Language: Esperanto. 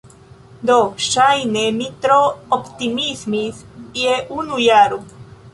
Do, ŝajne mi tro optimismis je unu jaro!